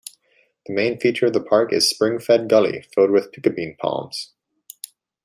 The main feature of the park is spring-fed gully filled with piccabeen palms.